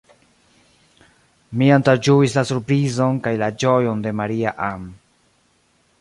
Mi antaŭĝuis la surprizon kaj la ĝojon de Maria-Ann.